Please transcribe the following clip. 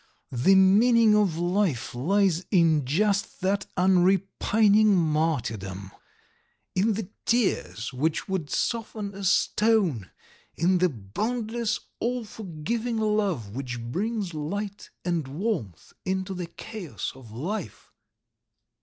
... The meaning of life lies in just that unrepining martyrdom, in the tears which would soften a stone, in the boundless, all forgiving love which brings light and warmth into the chaos of life.